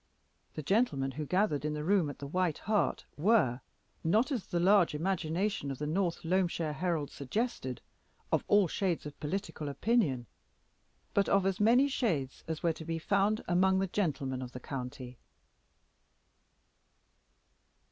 The gentlemen who gathered in the room at the White Hart were not as the large imagination of the North Loamshire Herald suggested, "of all shades of political opinion," but of as many shades as were to be found among the gentlemen of that county.